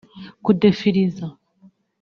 kudefiriza